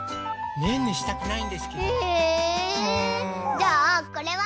じゃあこれは？